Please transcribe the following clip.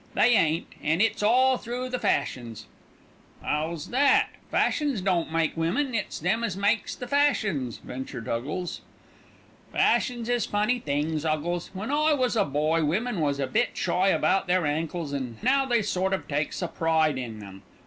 "They ain't, an' it's all through the fashions." "'Ow's that? Fashions don't make women, it's them as makes the fashions," ventured Huggles. "Fashions is funny things, 'Uggles. When I was a boy women was a bit shy about their ankles, an' now they sort o' takes a pride in 'em.